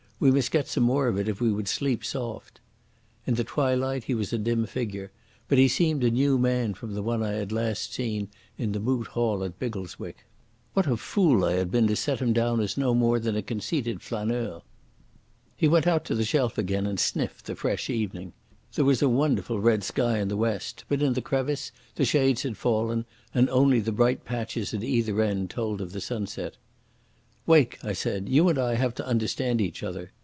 We must get some more if we would sleep soft." In the twilight he was a dim figure, but he seemed a new man from the one I had last seen in the Moot Hall at Biggleswick. There was a wiry vigour in his body and a purpose in his face. What a fool I had been to set him down as no more than a conceited flâneur! He went out to the shelf again and sniffed the fresh evening. There was a wonderful red sky in the west, but in the crevice the shades had fallen, and only the bright patches at either end told of the sunset. "Wake," I said, "you and I have to understand each other.